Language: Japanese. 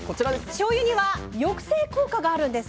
しょうゆには抑制効果があるんです。